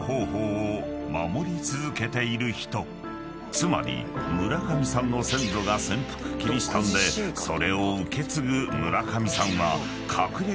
［つまり村上さんの先祖が潜伏キリシタンでそれを受け継ぐ村上さんはかくれキリシタンになるのだ］